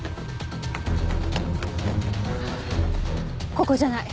ここじゃない。